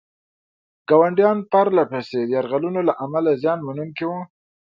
ګاونډیانو پرله پسې یرغلونو له امله زیان منونکي وو.